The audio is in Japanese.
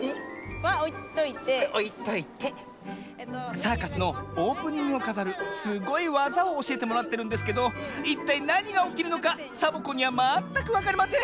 サーカスのオープニングをかざるすごいわざをおしえてもらってるんですけどいったいなにがおきるのかサボ子にはまったくわかりません。